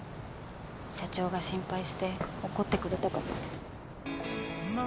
社長が心配して怒ってくれたから。